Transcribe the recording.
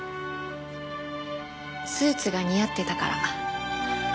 スーツが似合ってたから。